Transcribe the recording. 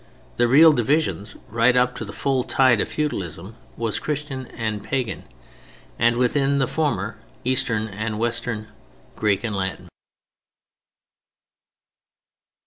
The real division right up to full tide of feudalism was Christian and Pagan, and, within the former, Eastern and Western: Greek and Latin.